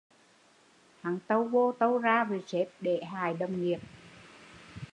Hắn tâu vô tâu ra với sếp để hại đồng nghiệp